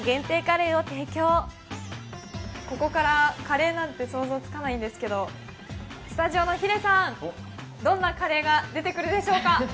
ここからカレーなんて想像つかないんですけれども、スタジオのヒデさん、どんなカレーが出てくるでしょうか。